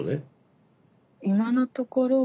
今のところは。